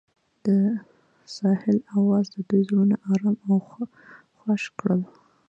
د ساحل اواز د دوی زړونه ارامه او خوښ کړل.